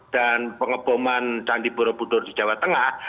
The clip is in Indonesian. dan pengeboman dandi borobudur di jawa tengah